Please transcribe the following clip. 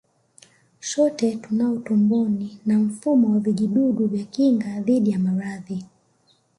Sote tunao tumboni na mfumo wa vijidudu vya kinga dhidi ya maradhi